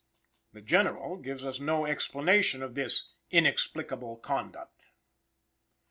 The General gives us no explanation of this "inexplicable conduct."